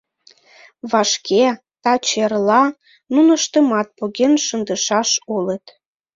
Вашке, таче-эрла, нуныштымат поген шындышаш улыт.